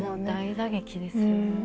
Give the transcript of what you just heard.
大打撃ですよね。